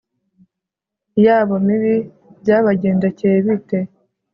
yabo mibi byabagendekeye bite